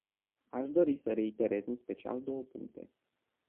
Aș dori să reiterez în special două puncte.